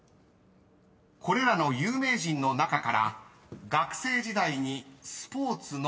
［これらの有名人の中から学生時代に］